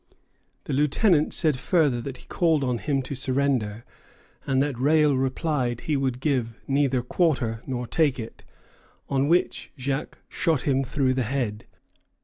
The lieutenant said further that he called on him to surrender, and that Rale replied that he would neither give quarter nor take it; on which Jaques shot him through the head.